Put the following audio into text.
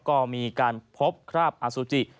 ก็มีการพบคราบอสุจิ